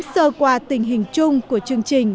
sơ qua tình hình chung của chương trình